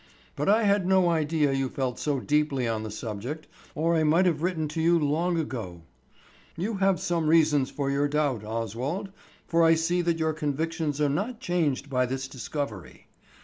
But I had no idea you felt so deeply on the subject or I might have written to you long ago. You have some reasons for your doubts, Oswald; for I see that your convictions are not changed by this discovery.